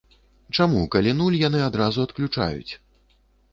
Чаму, калі нуль, яны адразу адключаюць?